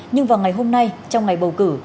nhưng vào ngày hôm nay trong ngày bầu cử